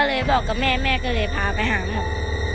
เลยบอกกับแม่แม่ก็เลยพาไปหาหมอ